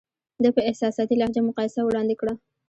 ده په احساساتي لهجه مقایسه وړاندې کړه.